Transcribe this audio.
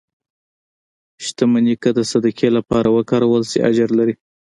• شتمني که د صدقې لپاره وکارول شي، اجر لري.